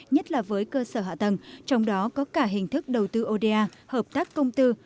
nhất là với cơ sở hạ tầng trong đó có cả hình thức đầu tư oda hợp tác công tư